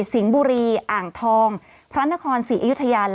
สิงห์บุรีอ่างทองพระนครศรีอยุธยา